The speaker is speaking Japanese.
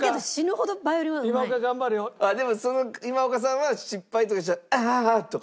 今岡けどでもその今岡さんは失敗とかしたら「ああっ」とか？